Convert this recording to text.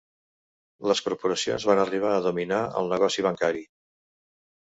Les corporacions van arribar a dominar el negoci bancari.